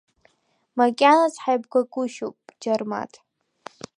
Макьаназ ҳаибгагәышьоуп, Џьармаҭ.